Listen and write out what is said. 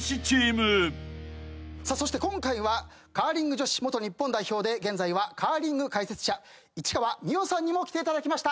そして今回はカーリング女子元日本代表で現在はカーリング解説者市川美余さんにも来ていただきました。